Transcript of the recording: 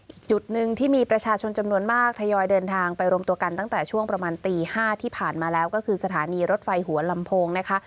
อีกจุดหนึ่งที่มีประชาชนจำนวนมากทยอยเดินทางไปรวมตัวกันตั้งแต่ช่วงประมาณตี๕ที่ผ่านมาแล้วก็คือสถานีรถไฟหัวลำโพงนะคะ